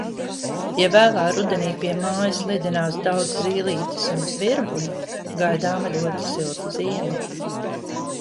Ja vēlā rudenī pie mājas lidinās daudz zīlītes un zvirbuļi, gaidāma ļoti silta ziema.